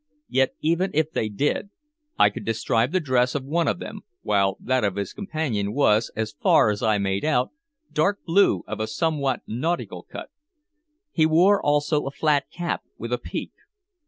Yet even if they did, I could describe the dress of one of them, while that of his companion was, as far as I made out, dark blue, of a somewhat nautical cut. He wore also a flat cap, with a peak.